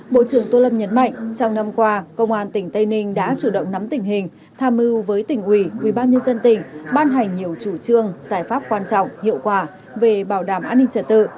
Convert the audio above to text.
bộ trưởng tô lâm nhấn mạnh trong năm qua công an tỉnh tây ninh đã chủ động nắm tình hình tham mưu với tỉnh ủy ubnd tỉnh ban hành nhiều chủ trương giải pháp quan trọng hiệu quả về bảo đảm an ninh trật tự